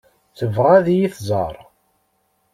Tebɣa ad yi-tẓeṛ.